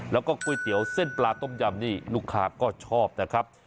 แล้วก็ก๋วยเตี๋ยวเส้นปลาต้มยำนี่ลูกค้าก็ชอบนะครับ